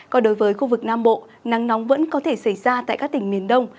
còn đối với khu vực nam bộ nắng nóng vẫn có thể xảy ra tại các tỉnh miền đông